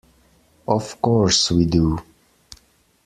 Of course we do.